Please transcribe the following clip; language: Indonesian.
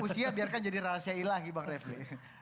usia biarkan jadi rahasia ilahi bang refli